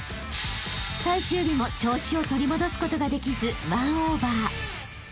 ［最終日も調子を取り戻すことができず１オーバー］